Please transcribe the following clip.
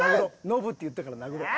ノブって言ったから殴ろう。